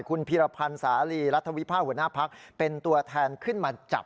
คุณพิรพันธ์สาหรี่รัฐวิพาหัวหน้าภักร์เป็นตัวแทนขึ้นมาจากที่นี่นะครับ